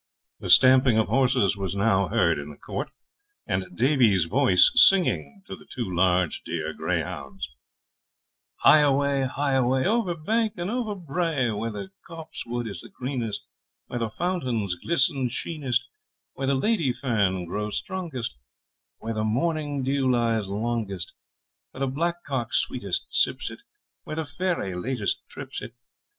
The stamping of horses was now heard in the court, and Davie's voice singing to the two large deer greyhounds, Hie away, hie away, Over bank and over brae, Where the copsewood is the greenest, Where the fountains glisten sheenest, Where the lady fern grows strongest, Where the morning dew lies longest, Where the black cock sweetest sips it, Where the fairy latest trips it.